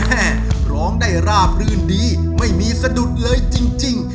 ร้องได้ราบรื่นดีไม่มีสะดุดเลยจริง